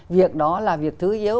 việc đó là việc thứ yếu